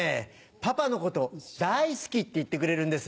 「パパのこと大好き」って言ってくれるんです。